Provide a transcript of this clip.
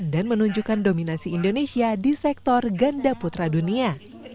menunjukkan dominasi indonesia di sektor ganda putra dunia